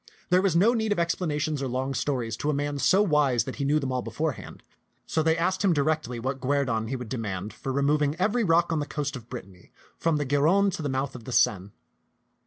There was no need of explanations or long stories to a man so wise that he knew them all beforehand ; so they asked him directly what guerdon he would demand for removing every rock on the coast of Brit tany from the Gironde to the mouth of the Seine.